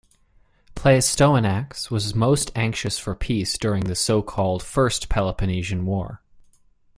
Pleistoanax was most anxious for peace during the so-called First Peloponnesian War.